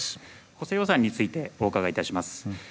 補正予算についてお伺いいたします。